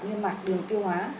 liên mạc đường tiêu hóa